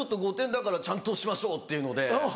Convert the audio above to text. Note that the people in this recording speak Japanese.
だからちゃんとしましょうっていうので。